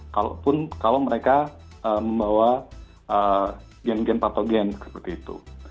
kalau mereka membawa gen gen patogen seperti itu